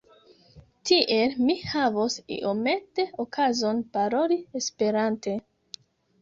Tiel mi havos iomete okazon paroli Esperante.